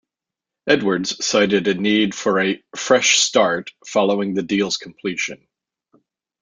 Edwards cited a need for a "fresh start" following the deal's completion.